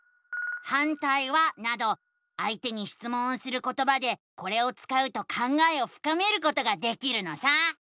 「反対は？」などあいてにしつもんをすることばでこれを使うと考えをふかめることができるのさ！